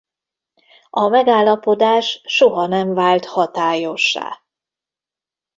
A megállapodás soha nem vált hatályossá.